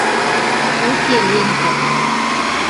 Уке лентӓ